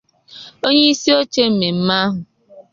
onyeisioche mmemme ahụ